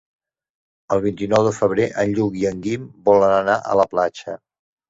El vint-i-nou de febrer en Lluc i en Guim volen anar a la platja.